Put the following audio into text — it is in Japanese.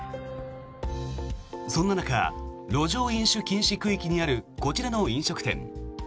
そんな中路上飲酒禁止区域にあるこちらの飲食店。